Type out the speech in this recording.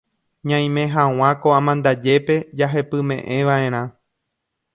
Ñaime hag̃ua ko amandajépe jahepymeʼẽvaʼerã.